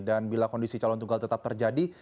dan bila kondisi calon tunggal tetap terjadi